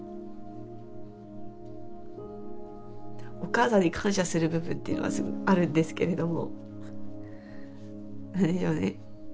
お母さんに感謝する部分っていうのはすごくあるんですけれども。